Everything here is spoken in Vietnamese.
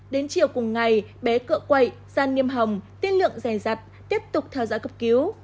đến chiều cùng ngày bé cỡ quậy da niêm hồng tiêm lượng dài dặt tiếp tục theo dõi cấp cứu